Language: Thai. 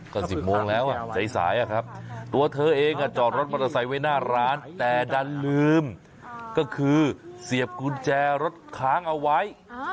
ก็๑๐โมงแล้วสายตัวเธอเองจอดรถมอเตอร์ไซค์ไว้หน้าร้านแต่ดันลืมก็คือเสียบกุญแจรถค้างเอาไว้